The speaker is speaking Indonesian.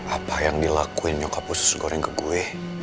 apa yang dilakuin nyokap usus goreng ke gue